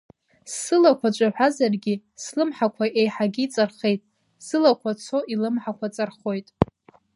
Сылақәа ҿаҳәазаргьы, слымҳақәа еиҳагьы иҵархеит, зылақәа цо илымҳақәа ҵархоит.